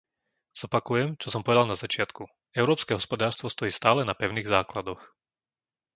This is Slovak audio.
Zopakujem, čo som povedal na začiatku. Európske hospodárstvo stojí stále na pevných základoch.